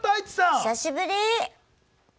お久しぶり。